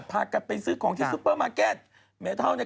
แล้วก็เข็นตัวเองไปดูสิ